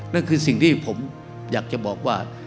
นั่นคือสิ่งที่ผมอยากจะบอกว่า